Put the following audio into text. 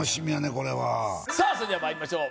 これはそれではまいりましょう